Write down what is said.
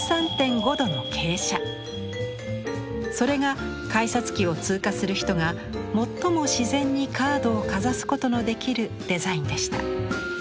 それが改札機を通過する人が最も自然にカードをかざすことのできるデザインでした。